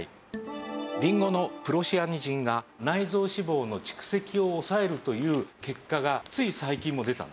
りんごのプロシアニジンが内臓脂肪の蓄積を抑えるという結果がつい最近も出たんです。